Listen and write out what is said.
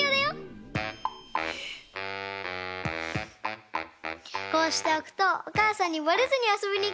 こうしておくとおかあさんにバレずにあそびにいけるんだ！